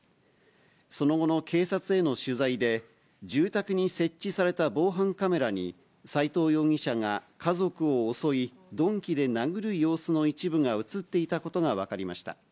その後の警察への取材で、住宅に設置された防犯カメラに、斎藤容疑者が家族を襲い、鈍器で殴る様子の一部が写っていたことが分かりました。